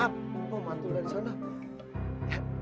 apaya rupanya pulled up